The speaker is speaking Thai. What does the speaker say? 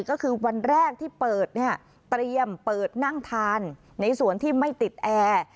ก็คือวันแรกที่เปิดเนี่ยเตรียมเปิดนั่งทานในส่วนที่ไม่ติดแอร์